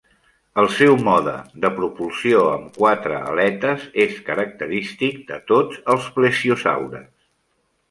El seu mode de propulsió amb quatre aletes és característic de tots els plesiosaures.